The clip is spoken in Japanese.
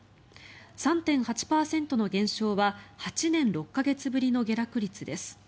３．８％の減少は８年６か月ぶりの下落率です。